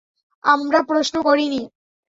আমরা প্রশ্ন করিনি।